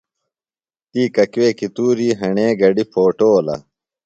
تی ککویکی تُوری ہݨے گڈیۡ پھوٹولہ۔